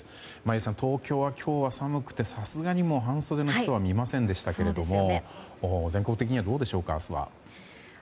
眞家さん東京は、今日は寒くてさすがに、半袖の人は見ませんでしたが明日は全国的にはどうでしょうか。